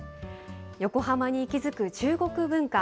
横浜に息づく中国文化。